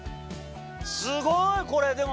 すごいこれでもマジで！